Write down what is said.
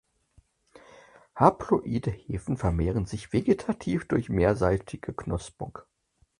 Haploide Hefen vermehren sich vegetativ durch mehrseitige Knospung.